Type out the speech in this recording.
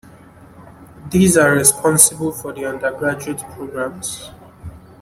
These are responsible for the undergraduate programs.